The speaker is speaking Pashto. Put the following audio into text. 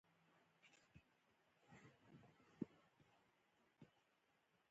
خلک باید خپلې مفکورې په کار واچوي